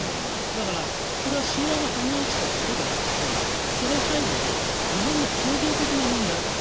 だから、それは神話が剥げ落ちただけじゃなくてその背後に日本の構造的な問題。